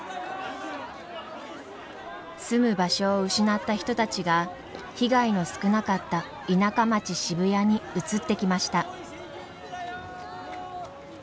住む場所を失った人たちが被害の少なかった田舎町渋谷に移ってきました。